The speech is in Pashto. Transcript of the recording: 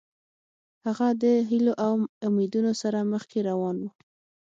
هغه د هیلو او امیدونو سره مخکې روان و.